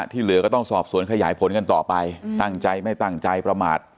เหลือก็ต้องสอบสวนขยายผลกันต่อไปตั้งใจไม่ตั้งใจประมาท